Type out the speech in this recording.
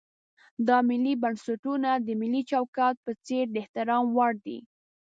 دا ملي بنسټونه د ملي چوکاټ په څېر د احترام وړ دي.